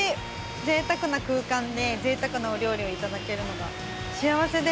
ぜいたくな空間でぜいたくなお料理をいただけるのが幸せです！